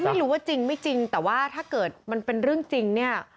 ไม่รู้ว่าจริงไม่จริงแต่ว่าถ้าเกิดมันเป็นเรื่องจริงเนี่ย